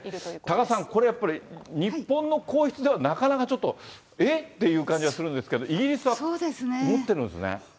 多賀さん、これやっぱり、日本の皇室ではなかなかちょっと、え？っていう感じがするんですけど、イギリスは持ってるんですね。